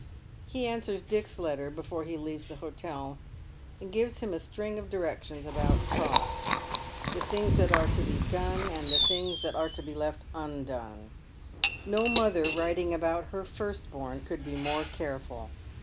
He answers Dick's letter before he leaves the hotel, and gives him a string of directions about Trot. The things that are to be done, and the things that are to bo left undo'ne. No mother writing about her firstborn could be more careful.